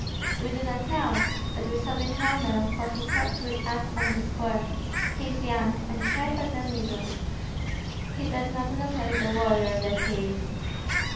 "We do not know; but we saw the colonel, for he talked with us on the square, he is young, and sharp as a needle. He does not look like the warrior that he is."